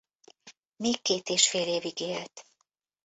Még két és fél évig élt.